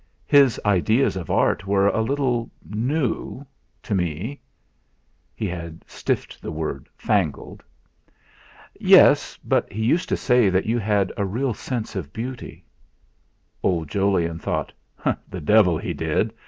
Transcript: His ideas of art were a little new to me " he had stiffed the word 'fangled.' "Yes: but he used to say you had a real sense of beauty." Old Jolyon thought: 'The devil he did!'